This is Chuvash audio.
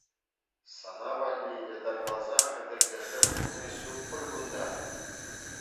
Сана валли ятарласа хатӗрлесе хуни ҫук пуль кунта?